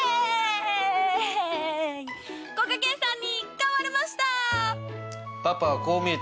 こがけんさんに買われました！